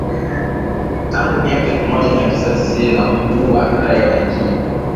Tangu miaka ya elfu moja mia tisa tisini na kuua raia wengi.